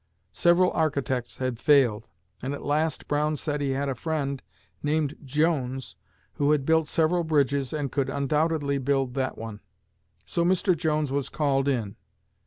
Several architects had failed, and at last Brown said he had a friend named Jones who had built several bridges, and could undoubtedly build that one. So Mr. Jones was called in.